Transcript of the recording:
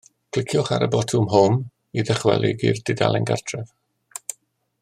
Cliciwch ar y botwm 'Home' i ddychwelyd i'r dudalen gartref.